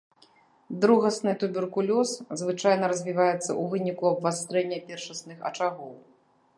Другасны туберкулёз звычайна развіваецца ў выніку абвастрэння першасных ачагоў.